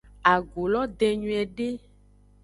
Agu lo den nyuiede.